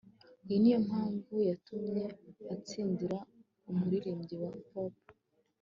Iyi niyo mpamvu yatumye atsindira umuririmbyi wa pop